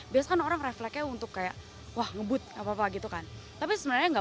biarkan orang refleks untuk kayak wah ngebut apa gitu kan tapi sebenarnya nggak